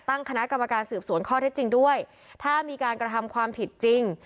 ตั้งคณะกรรมการสืบสวนข้อเท็จจริงด้วยถ้ามีการกระทำความผิดจริง